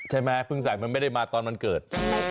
ใช่ไหมเพิ่งใส่มันไม่ได้มาตอนวันเกิด